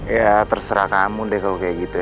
ya terserah kamu deh kalau kayak gitu